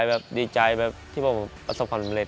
ดีใจดีใจกับที่ประสงค์ความสำเร็จ